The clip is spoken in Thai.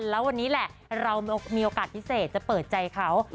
แล้ววันนี้แหละเรามีโอกาสพิเศษจะเปิดใจเขา